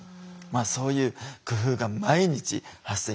そういう工夫が毎日発生していくわけですよ。